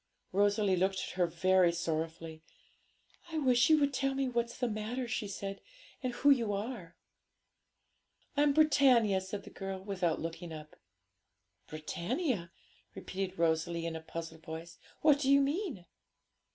Rosalie looked at her very sorrowfully; 'I wish you would tell me what's the matter,' she said, 'and who you are.' 'I'm Britannia,' said the girl, without looking up. 'Britannia!' repeated Rosalie, in a puzzled voice; 'what do you mean?'